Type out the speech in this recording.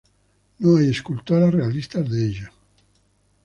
No hay esculturas realistas de ella.